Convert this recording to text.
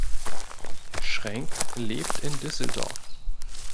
Schrenk lebt in Düsseldorf.